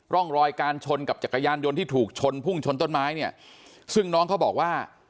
ร่องรอยการชนกับจักรยานยนต์ที่ถูกชนพุ่งชนต้นไม้เนี่ยซึ่งน้องเขาบอกว่า